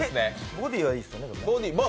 ボディはいいですよね。